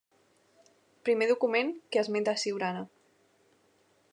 Primer document que esmenta Siurana.